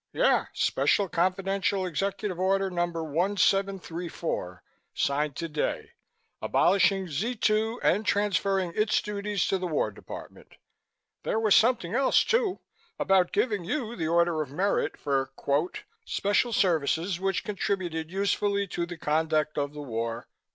"Yeah, special confidential Executive Order No. 1734, signed today, abolishing Z 2 and transferring its duties to the War Department. There was something else, too, about giving you the Order of Merit for quote special services which contributed usefully to the conduct of the war.